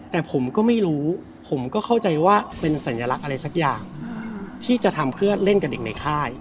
แต่ผมก็ไม่รู้ผมก็เข้าใจว่าเป็นสัญลักษณ์อะไรสักอย่างที่จะทำเพื่อเล่นกับเด็กในค่าย